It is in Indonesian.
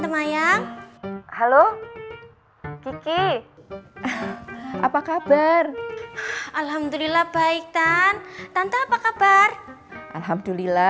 makasih ya mas ya